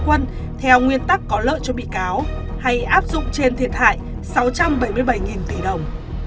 quân theo nguyên tắc có lợi cho bị cáo hay áp dụng trên thiệt hại sáu trăm bảy mươi bảy tỷ đồng